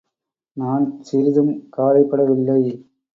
நான் சிறிதும் கவலைப்படவில்லை.